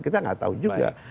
kita nggak tahu juga